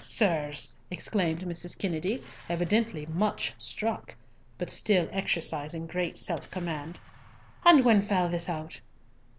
"Hech, sirs!" exclaimed Mrs. Kennedy, evidently much struck, but still exercising great self command. "And when fell this out?"